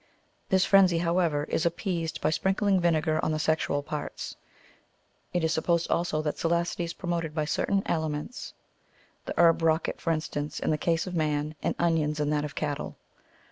This frenzy, however, is appeased by sprinkling vinegar on the sexual parts. It is supposed also that salacity is promoted by certain aliments ; the herb rocket, for instance, in the case of man, and onions in that of cattle.